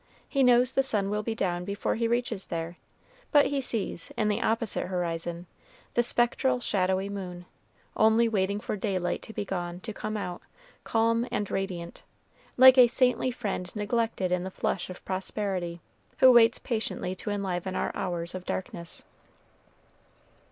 He knows the sun will be down before he reaches there; but he sees, in the opposite horizon, the spectral, shadowy moon, only waiting for daylight to be gone to come out, calm and radiant, like a saintly friend neglected in the flush of prosperity, who waits patiently to enliven our hours of darkness.